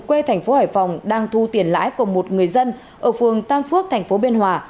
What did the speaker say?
quê tp hải phòng đang thu tiền lãi của một người dân ở phường tam phước tp biên hòa